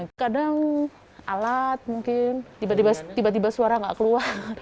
tidak ada alat mungkin tiba tiba suara tidak keluar